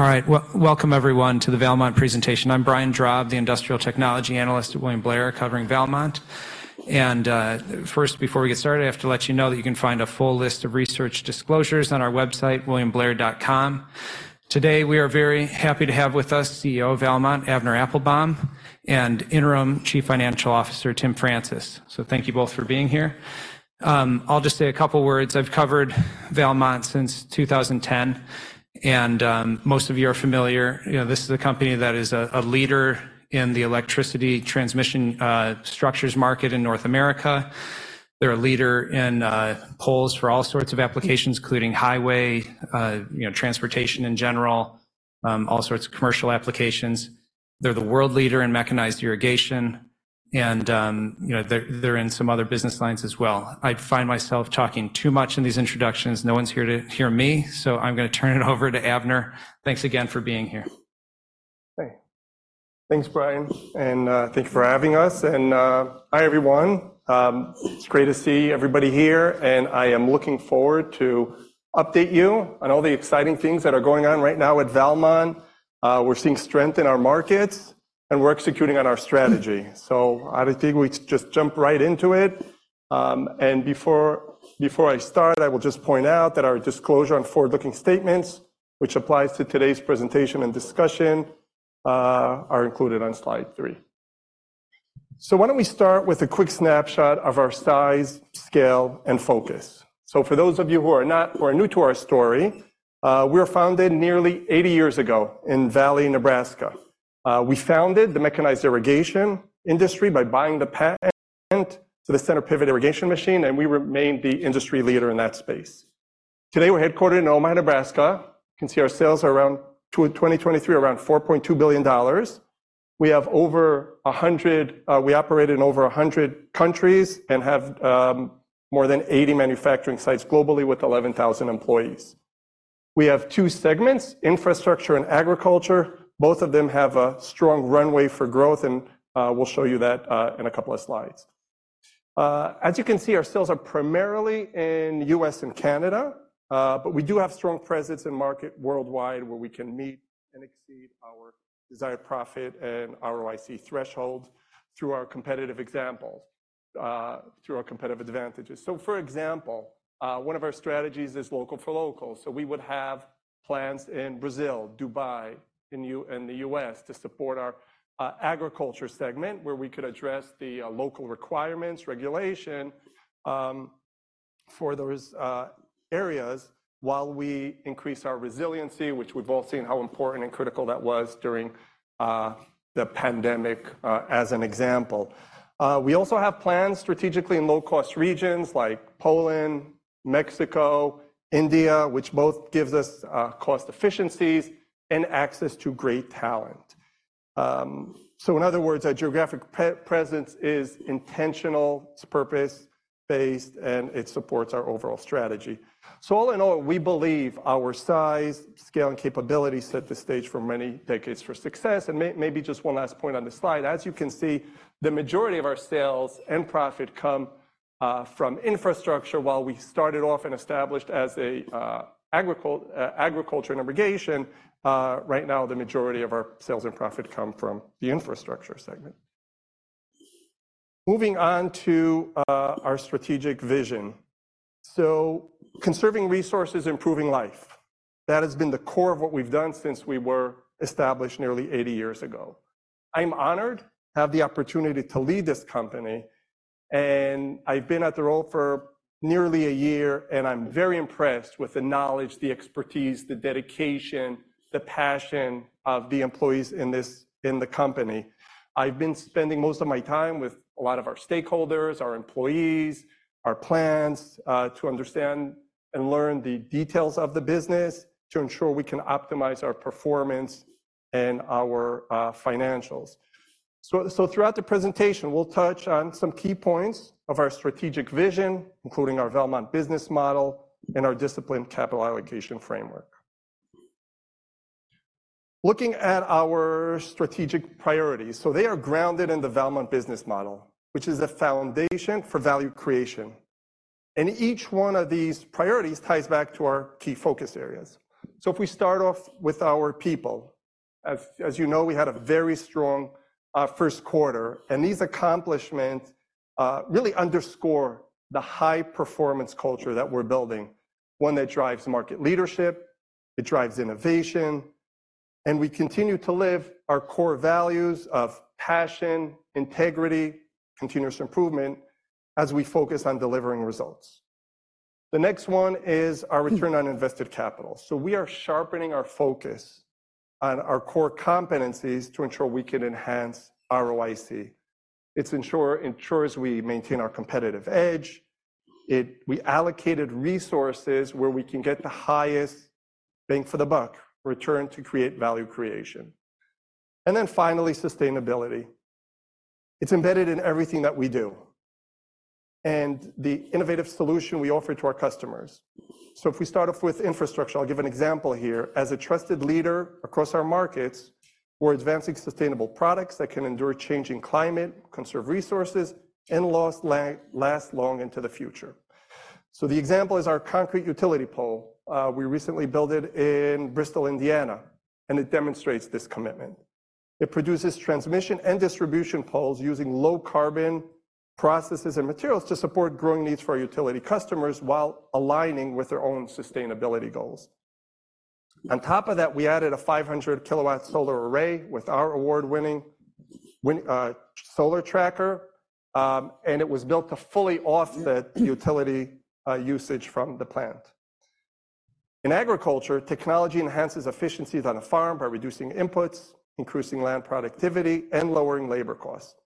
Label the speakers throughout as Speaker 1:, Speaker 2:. Speaker 1: All right. Welcome everyone to the Valmont presentation. I'm Brian Drab, the industrial technology analyst at William Blair, covering Valmont. And, first, before we get started, I have to let you know that you can find a full list of research disclosures on our website, williamblair.com. Today, we are very happy to have with us CEO of Valmont, Avner Applbaum, and Interim Chief Financial Officer, Tim Francis. So thank you both for being here. I'll just say a couple words. I've covered Valmont since 2010, and, most of you are familiar. You know, this is a company that is a leader in the electricity transmission structures market in North America. They're a leader in poles for all sorts of applications, including highway, you know, transportation in general, all sorts of commercial applications. They're the world leader in mechanized irrigation, and, you know, they're in some other business lines as well. I find myself talking too much in these introductions. No one's here to hear me, so I'm gonna turn it over to Avner. Thanks again for being here.
Speaker 2: Hey. Thanks, Brian, and thank you for having us, and hi, everyone. It's great to see everybody here, and I am looking forward to update you on all the exciting things that are going on right now at Valmont. We're seeing strength in our markets, and we're executing on our strategy. So I think we just jump right into it. And before I start, I will just point out that our disclosure on forward-looking statements, which applies to today's presentation and discussion, are included on slide 3. So why don't we start with a quick snapshot of our size, scale, and focus? So for those of you who are not, or are new to our story, we were founded nearly 80 years ago in Valley, Nebraska. We founded the mechanized irrigation industry by buying the patent to the center pivot irrigation machine, and we remain the industry leader in that space. Today, we're headquartered in Omaha, Nebraska. You can see our sales are around in 2023, around $4.2 billion. We have over 100 countries and have more than 80 manufacturing sites globally with 11,000 employees. We have two segments, infrastructure and agriculture. Both of them have a strong runway for growth, and we'll show you that in a couple of slides. As you can see, our sales are primarily in U.S. and Canada, but we do have strong presence in markets worldwide, where we can meet and exceed our desired profit and ROIC thresholds through our competitive examples, through our competitive advantages. So for example, one of our strategies is local for local. So we would have plants in Brazil, Dubai, in the, in the U.S. to support our agriculture segment, where we could address the local requirements, regulation for those areas, while we increase our resiliency, which we've all seen how important and critical that was during the pandemic as an example. We also have plants strategically in low-cost regions like Poland, Mexico, India, which both gives us cost efficiencies and access to great talent. So in other words, our geographic presence is intentional, it's purpose-based, and it supports our overall strategy. So all in all, we believe our size, scale, and capability set the stage for many decades for success. Maybe just one last point on this slide, as you can see, the majority of our sales and profit come from infrastructure. While we started off and established as a agriculture and irrigation, right now, the majority of our sales and profit come from the infrastructure segment. Moving on to our strategic vision. So conserving resources, improving life, that has been the core of what we've done since we were established nearly 80 years ago. I'm honored to have the opportunity to lead this company, and I've been at the role for nearly a year, and I'm very impressed with the knowledge, the expertise, the dedication, the passion of the employees in this, in the company. I've been spending most of my time with a lot of our stakeholders, our employees, our plants, to understand and learn the details of the business to ensure we can optimize our performance and our financials. So throughout the presentation, we'll touch on some key points of our strategic vision, including our Valmont Business Model and our disciplined capital allocation framework. Looking at our strategic priorities, they are grounded in the Valmont Business Model, which is a foundation for value creation, and each one of these priorities ties back to our key focus areas. So if we start off with our people, as you know, we had a very strong first quarter, and these accomplishments really underscore the high-performance culture that we're building, one that drives market leadership, it drives innovation, and we continue to live our core values of passion, integrity, continuous improvement as we focus on delivering results. The next one is our return on invested capital. We are sharpening our focus on our core competencies to ensure we can enhance ROIC. It ensures we maintain our competitive edge. We allocated resources where we can get the highest bang for the buck return to create value creation. Then finally, sustainability. It's embedded in everything that we do and the innovative solution we offer to our customers. So if we start off with infrastructure, I'll give an example here. As a trusted leader across our markets... We're advancing sustainable products that can endure changing climate, conserve resources, and last long into the future. So the example is our concrete utility pole. We recently built it in Bristol, Indiana, and it demonstrates this commitment. It produces transmission and distribution poles using low-carbon processes and materials to support growing needs for our utility customers while aligning with their own sustainability goals. On top of that, we added a 500-kW solar array with our award-winning solar tracker, and it was built to fully offset the utility usage from the plant. In agriculture, technology enhances efficiencies on a farm by reducing inputs, increasing land productivity, and lowering labor costs.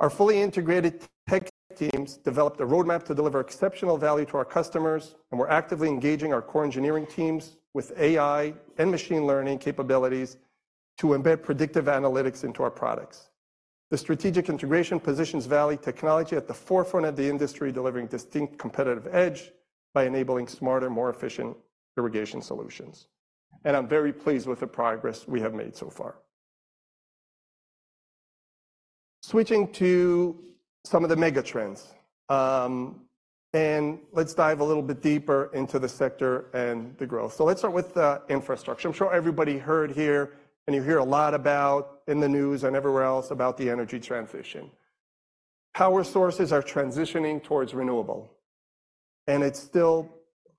Speaker 2: Our fully integrated tech teams developed a roadmap to deliver exceptional value to our customers, and we're actively engaging our core engineering teams with AI and machine learning capabilities to embed predictive analytics into our products. The strategic integration positions Valley Technology at the forefront of the industry, delivering distinct competitive edge by enabling smarter, more efficient irrigation solutions, and I'm very pleased with the progress we have made so far. Switching to some of the mega trends, and let's dive a little bit deeper into the sector and the growth. So let's start with infrastructure. I'm sure everybody heard here, and you hear a lot about in the news and everywhere else, about the energy transition. Power sources are transitioning towards renewable, and it's still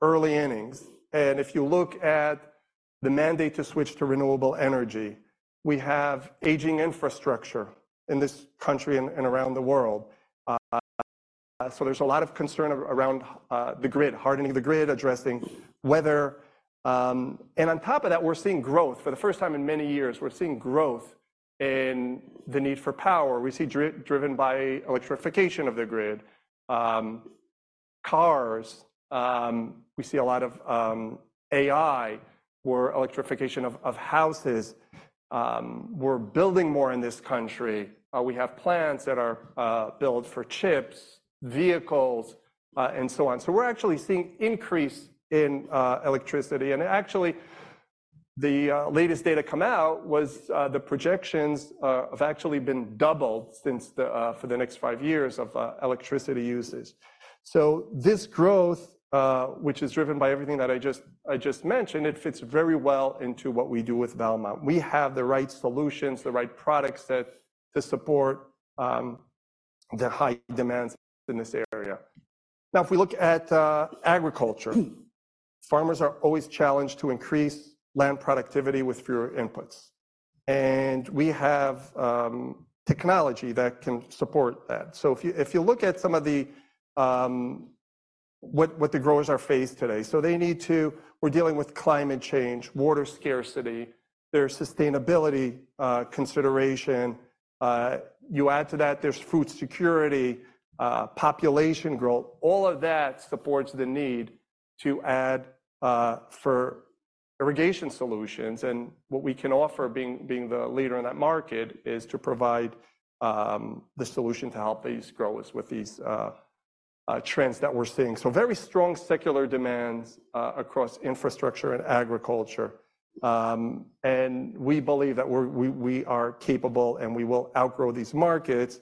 Speaker 2: early innings. If you look at the mandate to switch to renewable energy, we have aging infrastructure in this country and around the world. So there's a lot of concern around the grid, hardening the grid, addressing weather. And on top of that, we're seeing growth. For the first time in many years, we're seeing growth in the need for power. We see driven by electrification of the grid, cars. We see a lot of AI, where electrification of houses. We're building more in this country. We have plants that are built for chips, vehicles, and so on. So we're actually seeing increase in electricity. And actually, the latest data come out was the projections have actually been doubled since the for the next five years of electricity usage. So this growth, which is driven by everything that I just mentioned, it fits very well into what we do with Valmont. We have the right solutions, the right products that to support the high demands in this area. Now, if we look at agriculture, farmers are always challenged to increase land productivity with fewer inputs, and we have technology that can support that. So if you look at some of the what the growers are faced today. We're dealing with climate change, water scarcity, there's sustainability consideration. You add to that, there's food security, population growth. All of that supports the need to add for irrigation solutions, and what we can offer, being the leader in that market, is to provide the solution to help these growers with these trends that we're seeing. So very strong secular demands across infrastructure and agriculture. And we believe that we are capable, and we will outgrow these markets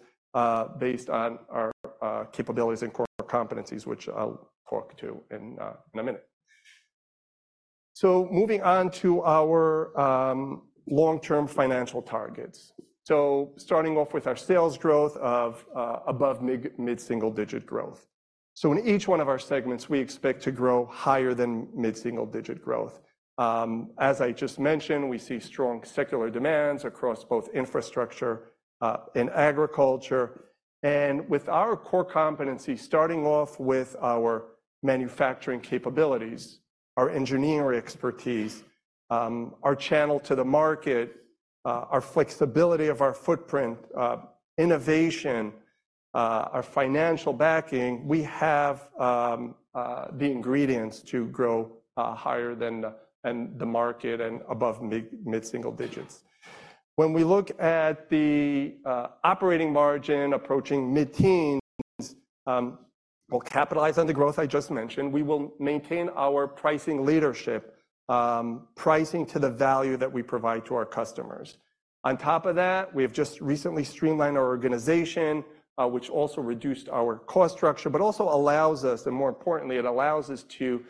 Speaker 2: based on our capabilities and core competencies, which I'll talk to in a minute. So moving on to our long-term financial targets. So starting off with our sales growth of above mid-single-digit growth. So in each one of our segments, we expect to grow higher than mid-single-digit growth. As I just mentioned, we see strong secular demands across both infrastructure and agriculture. With our core competencies, starting off with our manufacturing capabilities, our engineering expertise, our channel to the market, our flexibility of our footprint, innovation, our financial backing, we have the ingredients to grow higher than the market and above mid-single digits. When we look at the operating margin approaching mid-teens, we'll capitalize on the growth I just mentioned. We will maintain our pricing leadership, pricing to the value that we provide to our customers. On top of that, we have just recently streamlined our organization, which also reduced our cost structure, but also allows us, and more importantly, it allows us to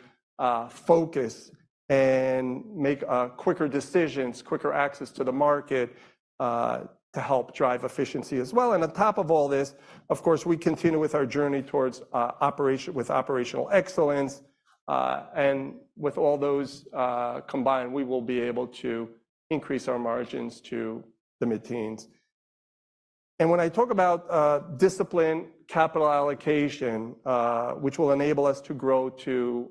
Speaker 2: focus and make quicker decisions, quicker access to the market, to help drive efficiency as well. And on top of all this, of course, we continue with our journey towards operational excellence. And with all those combined, we will be able to increase our margins to the mid-teens. And when I talk about disciplined capital allocation, which will enable us to grow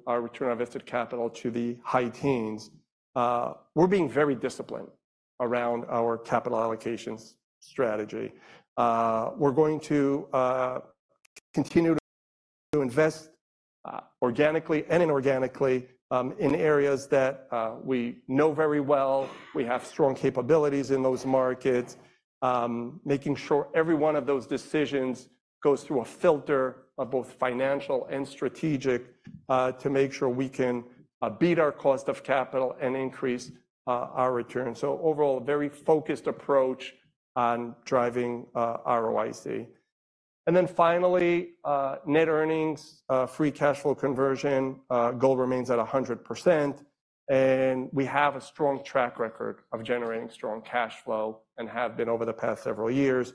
Speaker 2: our return on invested capital to the high teens, we're being very disciplined around our capital allocation strategy. We're going to continue to invest organically and inorganically in areas that we know very well. We have strong capabilities in those markets. Making sure every one of those decisions goes through a filter of both financial and strategic to make sure we can beat our cost of capital and increase our returns. So overall, a very focused approach on driving ROIC. Then finally, net earnings, free cash flow conversion goal remains at 100%, and we have a strong track record of generating strong cash flow and have been over the past several years.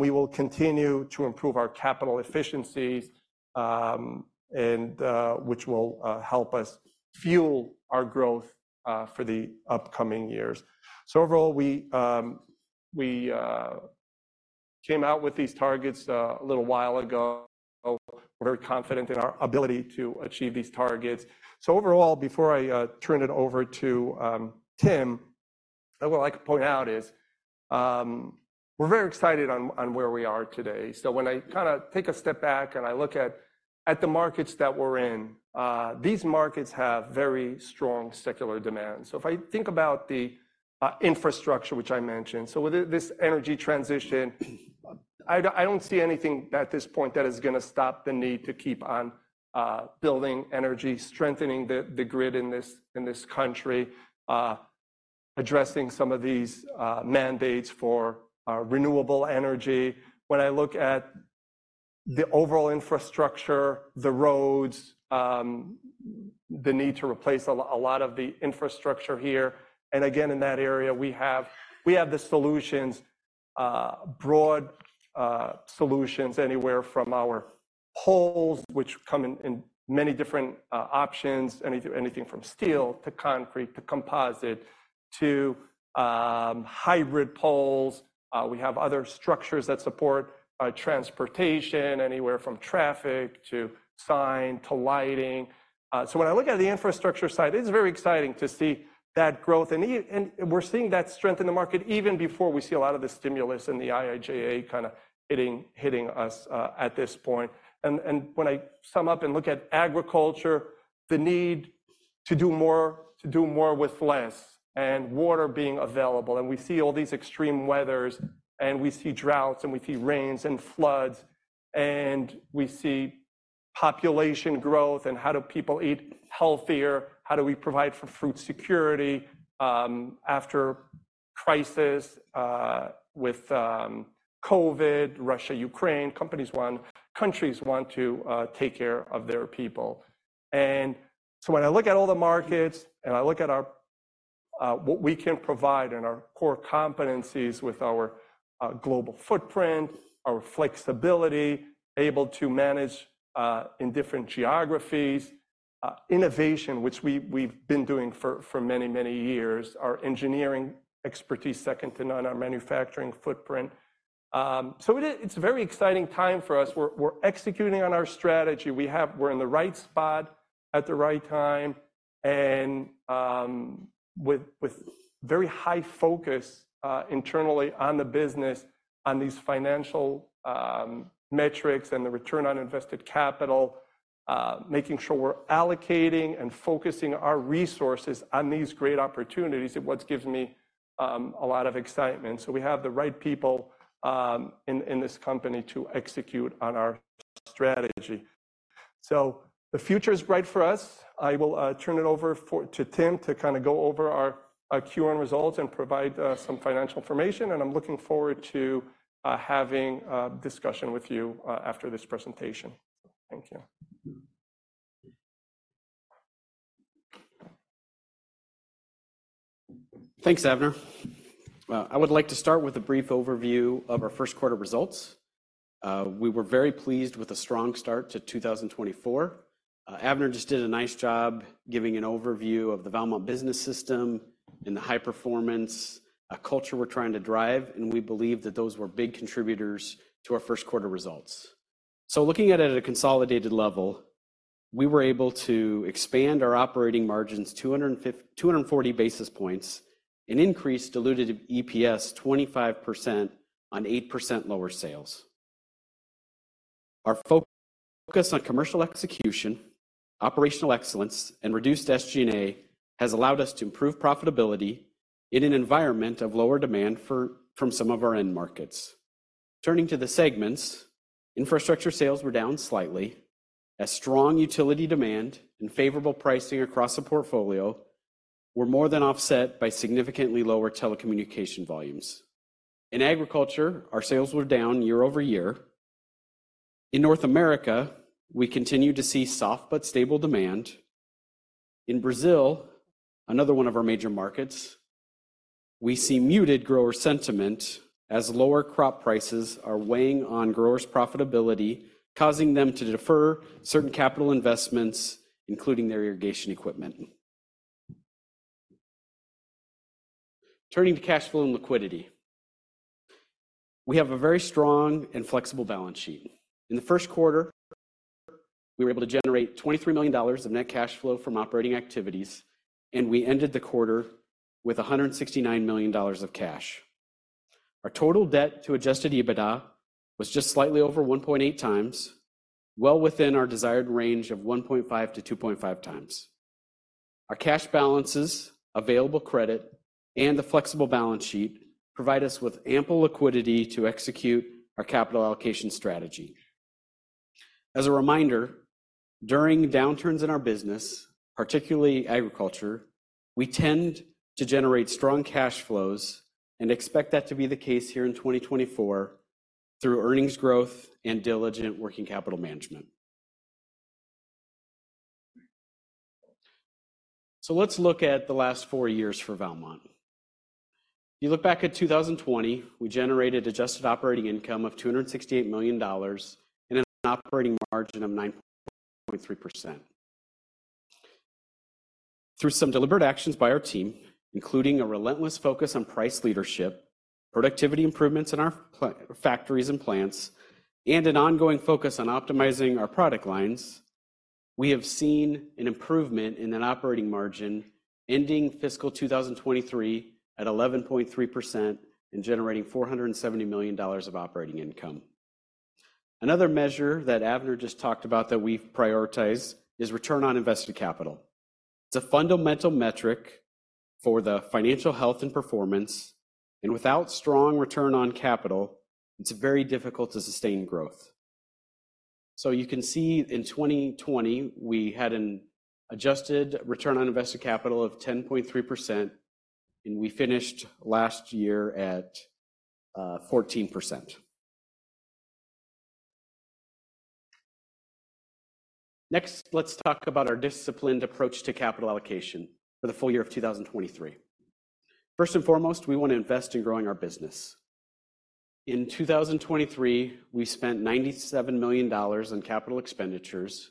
Speaker 2: We will continue to improve our capital efficiencies, and which will help us fuel our growth for the upcoming years. So overall, we came out with these targets a little while ago. We're very confident in our ability to achieve these targets. So overall, before I turn it over to Tim, what I'd like to point out is, we're very excited on where we are today. So when I kinda take a step back, and I look at the markets that we're in, these markets have very strong secular demand. So if I think about the infrastructure, which I mentioned, so with this energy transition, I don't see anything at this point that is gonna stop the need to keep on building energy, strengthening the grid in this country, addressing some of these mandates for renewable energy. When I look at the overall infrastructure, the roads, the need to replace a lot of the infrastructure here, and again, in that area, we have solutions, broad solutions anywhere from our poles, which come in many different options, anything from steel to concrete, to composite, to hybrid poles. We have other structures that support transportation, anywhere from traffic to sign to lighting. So when I look at the infrastructure side, it's very exciting to see that growth, and and we're seeing that strength in the market even before we see a lot of the stimulus and the IIJA kinda hitting us at this point. And when I sum up and look at agriculture, the need to do more, to do more with less, and water being available, and we see all these extreme weathers, and we see droughts, and we see rains and floods, and we see population growth, and how do people eat healthier? How do we provide for food security after crisis with COVID, Russia, Ukraine? Countries want to take care of their people. And so when I look at all the markets, and I look at our what we can provide and our core competencies with our global footprint, our flexibility, able to manage in different geographies, innovation, which we've been doing for many years, our engineering expertise, second to none, our manufacturing footprint. It's a very exciting time for us. We're executing on our strategy. We're in the right spot at the right time, and with very high focus internally on the business, on these financial metrics and the return on invested capital, making sure we're allocating and focusing our resources on these great opportunities is what gives me a lot of excitement. So we have the right people in this company to execute on our strategy. So the future is bright for us. I will turn it over to Tim to kinda go over our Q1 results and provide some financial information, and I'm looking forward to having a discussion with you after this presentation. Thank you.
Speaker 3: Thanks, Avner. I would like to start with a brief overview of our first quarter results. We were very pleased with the strong start to 2024. Avner just did a nice job giving an overview of the Valmont business system and the high-performance culture we're trying to drive, and we believe that those were big contributors to our first quarter results. So looking at it at a consolidated level, we were able to expand our operating margins 240 basis points, an increase diluted EPS 25% on 8% lower sales. Our focus on commercial execution, operational excellence, and reduced SG&A has allowed us to improve profitability in an environment of lower demand from some of our end markets. Turning to the segments, infrastructure sales were down slightly, as strong utility demand and favorable pricing across the portfolio were more than offset by significantly lower telecommunication volumes. In agriculture, our sales were down year-over-year. In North America, we continue to see soft but stable demand. In Brazil, another one of our major markets, we see muted grower sentiment as lower crop prices are weighing on growers' profitability, causing them to defer certain capital investments, including their irrigation equipment. Turning to cash flow and liquidity, we have a very strong and flexible balance sheet. In the first quarter, we were able to generate $23 million of net cash flow from operating activities, and we ended the quarter with $169 million of cash. Our total debt to adjusted EBITDA was just slightly over 1.8x, well within our desired range of 1.5x-2.5x. Our cash balances, available credit, and the flexible balance sheet provide us with ample liquidity to execute our capital allocation strategy. As a reminder, during downturns in our business, particularly agriculture, we tend to generate strong cash flows and expect that to be the case here in 2024 through earnings growth and diligent working capital management. So let's look at the last four years for Valmont. You look back at 2020, we generated adjusted operating income of $268 million and an operating margin of 9.3%. Through some deliberate actions by our team, including a relentless focus on price leadership, productivity improvements in our factories and plants, and an ongoing focus on optimizing our product lines, we have seen an improvement in net operating margin, ending fiscal 2023 at 11.3% and generating $470 million of operating income. Another measure that Avner just talked about that we've prioritized is return on invested capital. It's a fundamental metric for the financial health and performance, and without strong return on capital, it's very difficult to sustain growth. So you can see in 2020, we had an adjusted return on invested capital of 10.3%, and we finished last year at 14%. Next, let's talk about our disciplined approach to capital allocation for the full year of 2023. First and foremost, we want to invest in growing our business. In 2023, we spent $97 million on capital expenditures.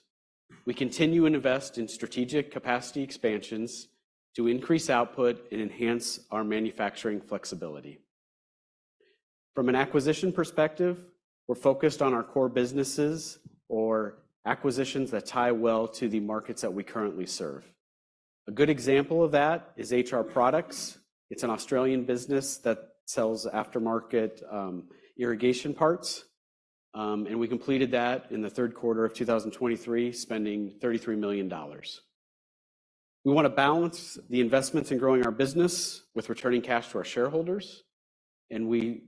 Speaker 3: We continue to invest in strategic capacity expansions to increase output and enhance our manufacturing flexibility. From an acquisition perspective, we're focused on our core businesses or acquisitions that tie well to the markets that we currently serve. A good example of that is HR Products. It's an Australian business that sells aftermarket irrigation parts, and we completed that in the third quarter of 2023, spending $33 million. We want to balance the investments in growing our business with returning cash to our shareholders, and we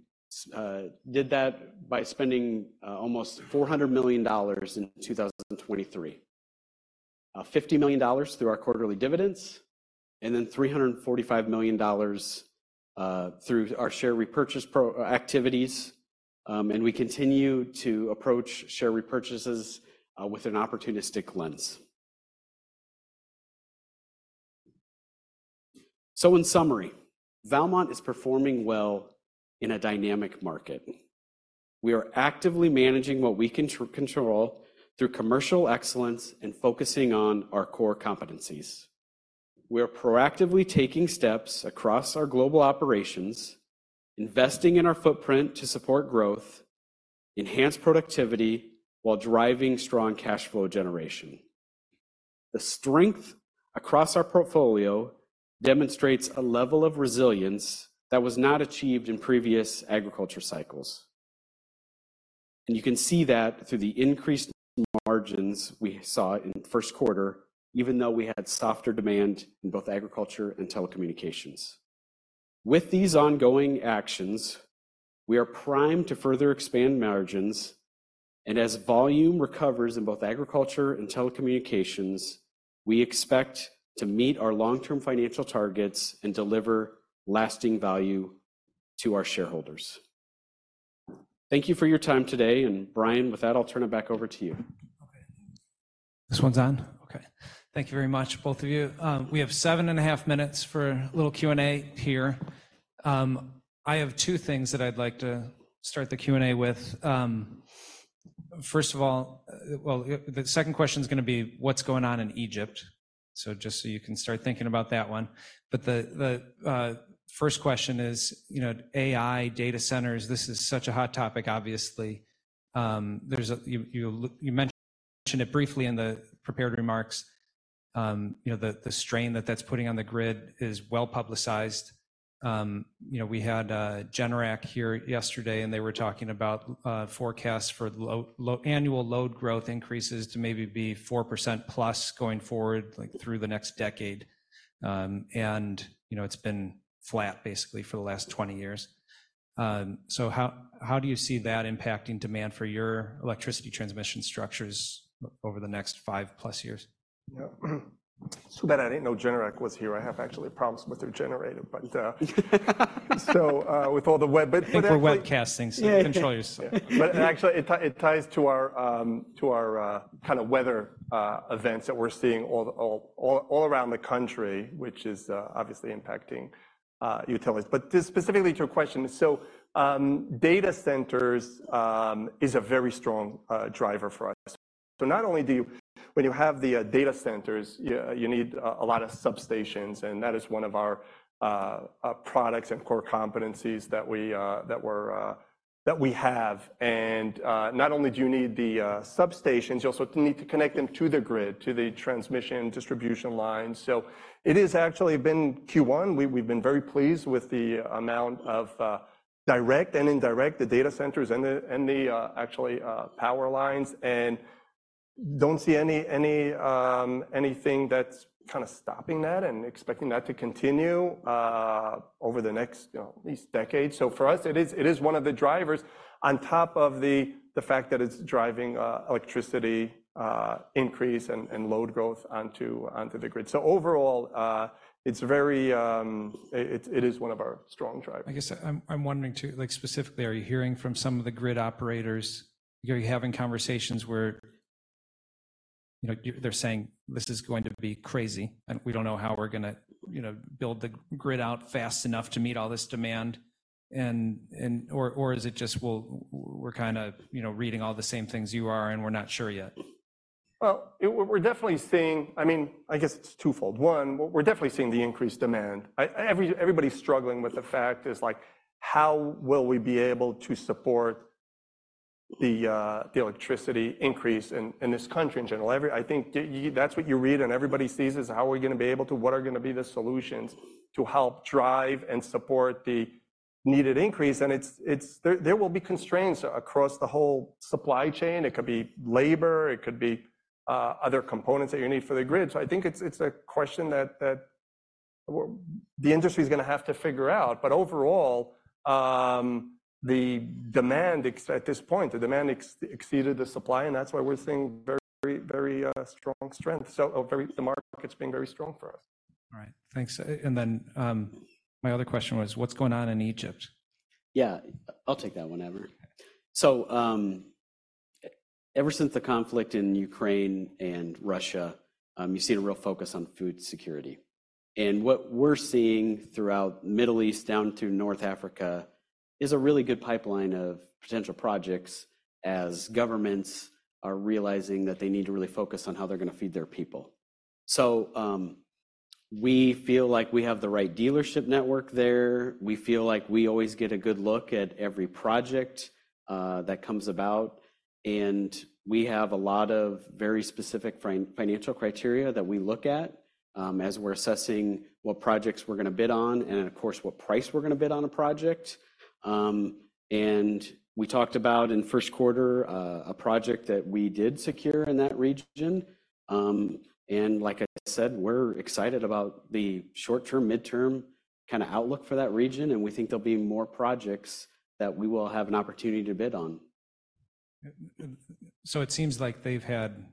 Speaker 3: did that by spending almost $400 million in 2023. $50 million through our quarterly dividends, and then $345 million through our share repurchase program activities. We continue to approach share repurchases with an opportunistic lens. In summary, Valmont is performing well in a dynamic market. We are actively managing what we can control through commercial excellence and focusing on our core competencies. We are proactively taking steps across our global operations, investing in our footprint to support growth, enhance productivity, while driving strong cash flow generation. The strength across our portfolio demonstrates a level of resilience that was not achieved in previous agriculture cycles, and you can see that through the increased margins we saw in the first quarter, even though we had softer demand in both agriculture and telecommunications. With these ongoing actions, we are primed to further expand margins, and as volume recovers in both agriculture and telecommunications, we expect to meet our long-term financial targets and deliver lasting value to our shareholders. Thank you for your time today, and Brian, with that, I'll turn it back over to you.
Speaker 1: Okay. This one's on? Okay. Thank you very much, both of you. We have 7.5 minutes for a little Q&A here. I have two things that I'd like to start the Q&A with. First of all, the second question is gonna be, what's going on in Egypt? So just so you can start thinking about that one. But the first question is, you know, AI data centers, this is such a hot topic, obviously. There's a... You mentioned it briefly in the prepared remarks. You know, the strain that that's putting on the grid is well-publicized. You know, we had Generac here yesterday, and they were talking about forecasts for annual load growth increases to maybe be 4%+ going forward, like, through the next decade. And, you know, it's been flat basically for the last 20 years. So how do you see that impacting demand for your electricity transmission structures over the next 5+ years?
Speaker 2: Yeah. So Brian, I didn't know Generac was here. I have actually problems with their generator, but with all the web, but-
Speaker 1: We're webcasting, so control yourself.
Speaker 2: But actually, it ties to our kind of weather events that we're seeing all around the country, which is obviously impacting utilities. But just specifically to your question, so data centers is a very strong driver for us. So not only do you—when you have the data centers, you need a lot of substations, and that is one of our products and core competencies that we have. And not only do you need the substations, you also need to connect them to the grid, to the transmission and distribution lines. So it has actually been Q1, we've been very pleased with the amount of direct and indirect, the data centers and the actually power lines, and... Don't see anything that's kind of stopping that and expecting that to continue over the next, you know, at least decade. So for us, it is one of the drivers on top of the fact that it's driving electricity increase and load growth onto the grid. So overall, it's very. It is one of our strong drivers.
Speaker 1: I guess I'm wondering, too, like specifically, are you hearing from some of the grid operators? Are you having conversations where, you know, they're saying, "This is going to be crazy, and we don't know how we're gonna, you know, build the grid out fast enough to meet all this demand," and... Or is it just, well, we're kind of, you know, reading all the same things you are, and we're not sure yet?
Speaker 2: Well, we're definitely seeing-- I mean, I guess it's twofold. One, we're definitely seeing the increased demand. Everybody's struggling with the fact is like, how will we be able to support the electricity increase in this country in general? I think that's what you read, and everybody sees this. How are we gonna be able to-- What are gonna be the solutions to help drive and support the needed increase? And it's, there will be constraints across the whole supply chain. It could be labor. It could be other components that you need for the grid. So I think it's a question that the industry's gonna have to figure out. But overall, the demand at this point, the demand exceeded the supply, and that's why we're seeing very, very strong strength. So, the market's been very strong for us.
Speaker 1: All right. Thanks. And then, my other question was, what's going on in Egypt?
Speaker 3: Yeah, I'll take that one, Avner. So, ever since the conflict in Ukraine and Russia, you've seen a real focus on food security, and what we're seeing throughout Middle East down to North Africa is a really good pipeline of potential projects, as governments are realizing that they need to really focus on how they're gonna feed their people. So, we feel like we have the right dealership network there. We feel like we always get a good look at every project that comes about, and we have a lot of very specific financial criteria that we look at as we're assessing what projects we're gonna bid on and, of course, what price we're gonna bid on a project. And we talked about, in first quarter, a project that we did secure in that region. Like I said, we're excited about the short-term, mid-term kind of outlook for that region, and we think there'll be more projects that we will have an opportunity to bid on.
Speaker 1: So it seems like they've had,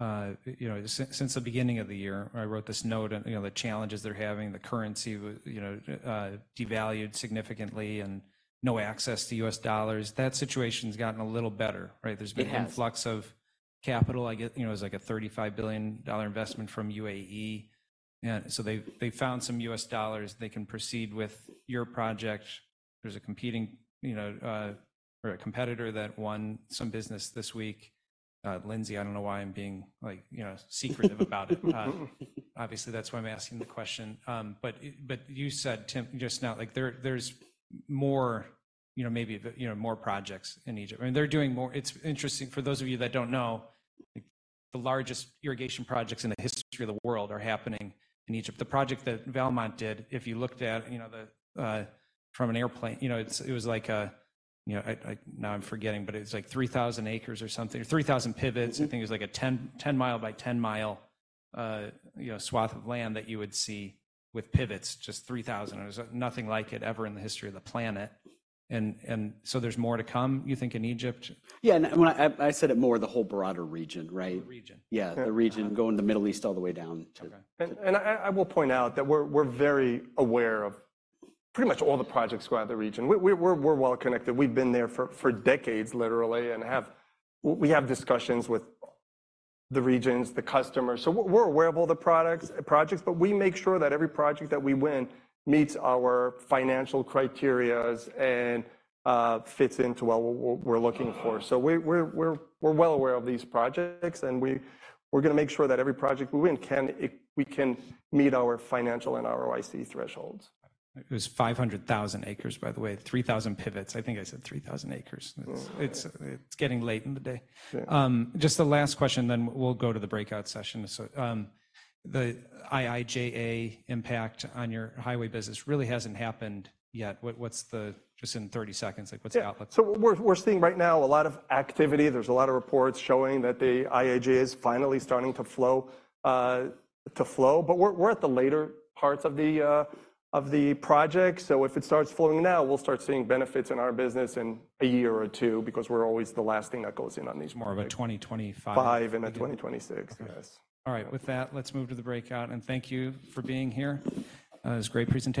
Speaker 1: you know, since the beginning of the year, I wrote this note on, you know, the challenges they're having, the currency devalued significantly, and no access to U.S. dollars. That situation's gotten a little better, right?
Speaker 3: It has.
Speaker 1: There's been an influx of capital. You know, it was like a $35 billion investment from UAE, and so they, they found some U.S. dollars. They can proceed with your project. There's a competing, you know, or a competitor that won some business this week. Lindsay, I don't know why I'm being, like, you know, secretive about it. Obviously, that's why I'm asking the question. But it, but you said, Tim, just now, like, there, there's more, you know, maybe, you know, more projects in Egypt. I mean, they're doing more— It's interesting, for those of you that don't know, the largest irrigation projects in the history of the world are happening in Egypt. The project that Valmont did, if you looked at, you know, the, from an airplane, you know, it's, it was like a, you know, I, I... Now I'm forgetting, but it's, like, 3,000 acres or something, or 3,000 pivots. I think it was, like, a 10 mi by 10 mi, you know, swath of land that you would see with pivots, just 3,000. There's nothing like it ever in the history of the planet. And so there's more to come, you think, in Egypt?
Speaker 3: Yeah, and when I said it more the whole broader region, right?
Speaker 1: The region.
Speaker 3: Yeah.
Speaker 2: Yeah.
Speaker 3: The region, going to the Middle East, all the way down to-
Speaker 1: Okay.
Speaker 2: I will point out that we're very aware of pretty much all the projects throughout the region. We're well-connected. We've been there for decades, literally, and we have discussions with the regions, the customers, so we're aware of all the products, projects, but we make sure that every project that we win meets our financial criteria and fits into what we're looking for. So we're well aware of these projects, and we're gonna make sure that every project we win we can meet our financial and ROIC thresholds.
Speaker 1: It was 500,000 acres, by the way, 3,000 pivots. I think I said 3,000 acres.
Speaker 2: Oh.
Speaker 1: It's getting late in the day.
Speaker 2: Yeah.
Speaker 1: Just the last question, then we'll go to the breakout session. So, the IIJA impact on your highway business really hasn't happened yet. What's the... Just in 30 seconds, like, what's the outlook?
Speaker 2: Yeah. So we're seeing right now a lot of activity. There's a lot of reports showing that the IIJA is finally starting to flow. But we're at the later parts of the project, so if it starts flowing now, we'll start seeing benefits in our business in a year or two because we're always the last thing that goes in on these-
Speaker 1: More of a 2025-
Speaker 2: 2025 and in 2026.
Speaker 1: Okay.
Speaker 2: Yes.
Speaker 1: All right, with that, let's move to the breakout, and thank you for being here. It was a great presentation.